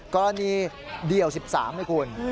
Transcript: ก็นี่เดี่ยว๑๓นะคุณ